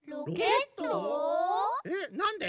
えっなんで？